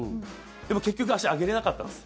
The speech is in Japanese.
でも結局足、上げられなかったです。